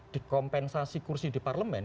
dikompensasi kursi di parlemen